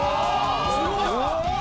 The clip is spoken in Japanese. すごい！